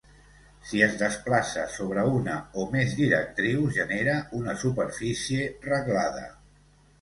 Si es desplaça sobre una o més directrius, genera una superfície reglada.